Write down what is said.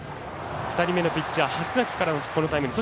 ２人目のピッチャー橋崎からタイムリー。